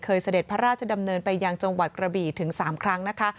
เสด็จพระราชดำเนินไปยังจังหวัดกระบี่ถึง๓ครั้งนะคะ